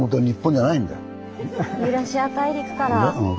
ユーラシア大陸から。